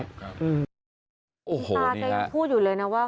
คุณตาแกยังพูดอยู่เลยนะว่า